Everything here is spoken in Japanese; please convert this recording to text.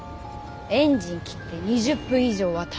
エンジン切って２０分以上はたってる。